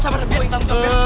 gue yang tanggung jawab ya